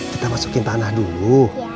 kita masukin tanah dulu